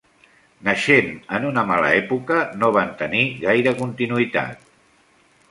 Naixent en una mala època, no van tenir gaire continuïtat.